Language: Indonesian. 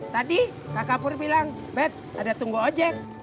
tadi kakak pur bilang bete ada tunggu ojek